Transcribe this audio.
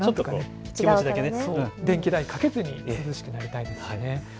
電気代かけずに涼しくなりたいですよね。